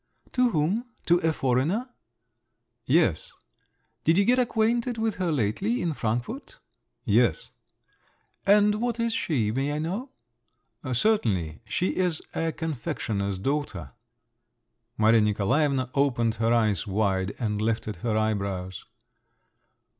"To whom? To a foreigner?" "Yes." "Did you get acquainted with her lately? In Frankfort?" "Yes." "And what is she? May I know?" "Certainly. She is a confectioner's daughter." Maria Nikolaevna opened her eyes wide and lifted her eyebrows.